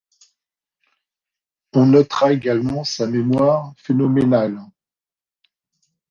On notera également sa mémoire phénoménale.